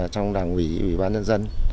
trong đảng ủy bán dân dân